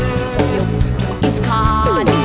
เสียงสมองพวกอิสคาน